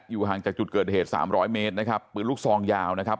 ห่างจากจุดเกิดเหตุสามร้อยเมตรนะครับปืนลูกซองยาวนะครับ